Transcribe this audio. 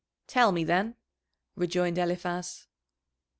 "Tell me, then," rejoined Eliphaz.